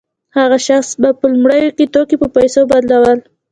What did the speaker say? هغه شخص به په لومړیو کې توکي په پیسو بدلول